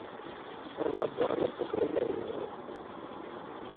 Ad neṛju arma tfukem amahil-nwen.